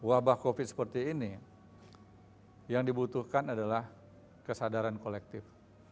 menghadapi wabah covid sembilan belas seperti ini yang dibutuhkan adalah kesadaran kolektif